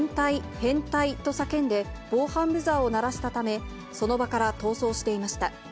変態！と叫んで、防犯ブザーを鳴らしたため、その場から逃走していました。